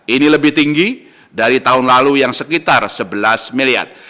ini lebih tinggi dari tahun lalu yang sekitar sebelas miliar